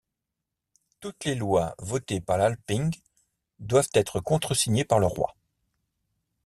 Toutes les lois votées par l'Alþing doivent être contresignées par le roi.